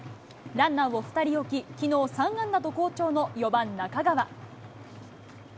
ランナーを２人置き、きのう３安打と好調の４番中川。